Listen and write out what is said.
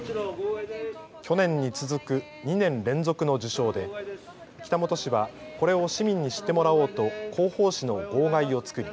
去年に続く２年連続の受賞で北本市はこれを市民に知ってもらおうと広報紙の号外を作り